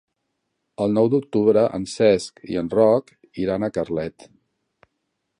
El nou d'octubre en Cesc i en Roc iran a Carlet.